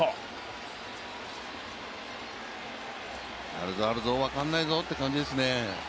あるぞ、あるぞ、分からないぞという感じですよね。